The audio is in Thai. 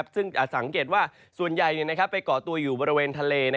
ซึ่งจะสังเกตว่าส่วนใหญ่ไปก่อตัวอยู่บริเวณทะเล